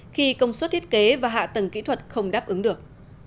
khi công suất thiết kế và hạ tầng kỹ thuật không đáp ứng được